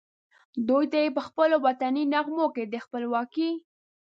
دوی ته یې پخپلو وطني نغمو کې د خپلواکۍ